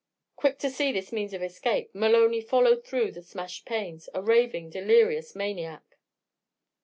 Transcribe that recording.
Quick to see this means of escape, Maloney followed through the smashed panes a raving, delirious maniac.